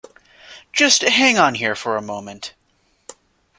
Just hang on here for a moment.